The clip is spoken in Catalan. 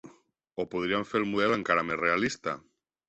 O podríem fer el model encara més realista.